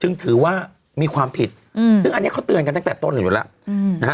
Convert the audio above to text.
ถือว่ามีความผิดซึ่งอันนี้เขาเตือนกันตั้งแต่ต้นอยู่แล้วนะฮะ